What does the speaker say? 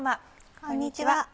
こんにちは。